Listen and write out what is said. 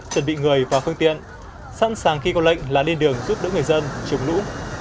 chuẩn bị người và phương tiện sẵn sàng khi có lệnh là lên đường giúp đỡ người dân chống lũ